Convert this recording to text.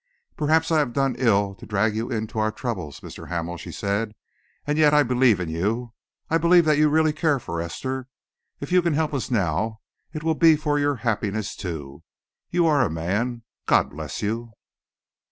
"Perhaps I have done ill to drag you into our troubles, Mr. Hamel," she said, "and yet, I believe in you. I believe that you really care for Esther. If you can help us now, it will be for your happiness, too. You are a man. God bless you!"